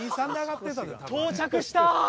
到着した！